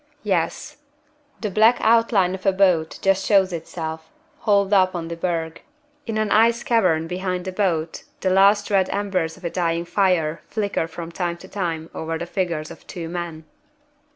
Yes! The black outline of a boat just shows itself, hauled up on the berg. In an ice cavern behind the boat the last red embers of a dying fire flicker from time to time over the figures of two men.